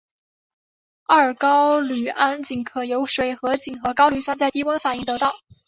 二高氯酸肼可由水合肼和高氯酸在低温反应得到。